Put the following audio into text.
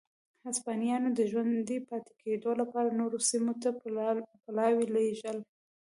هسپانویانو د ژوندي پاتې کېدو لپاره نورو سیمو ته پلاوي لېږل.